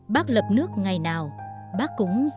bác lập nước ngày nào bác cũng ra đi